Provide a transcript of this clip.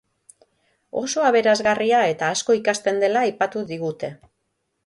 Oso aberasgarria eta asko ikasten dela aipatu digute.